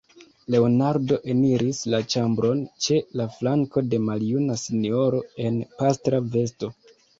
Leonardo eniris la ĉambron ĉe la flanko de maljuna sinjoro en pastra vesto.